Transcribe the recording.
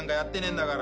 だから。